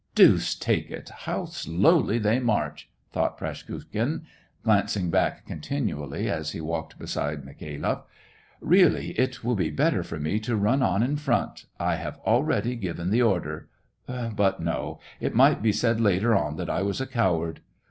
" Deuce take it ! how slowly they march," thought Praskukhin, glancing back continually, as he walked beside Mikhailoff. *' Really, it will be go SEVASTOPOL /AT MAY. better for me to run on in front ; I have already given the order. ... But no, it might be said later on that I was a coward.